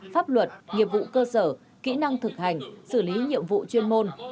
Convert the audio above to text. pháp luật nghiệp vụ cơ sở kỹ năng thực hành xử lý nhiệm vụ chuyên môn